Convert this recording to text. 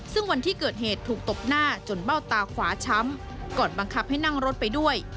ซึ่งวันที่เกิดเหตุถูกตบหน้าจนเบ้าตาขวาช้ำก่อนบังคับให้นั่งรถไปด้วย